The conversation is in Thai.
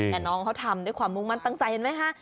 แต่น้องเขาทำด้วยความมุ่งมั่นตั้งใจเห็นไหมคะ